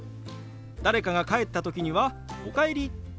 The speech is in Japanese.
誰かが帰った時には「おかえり」。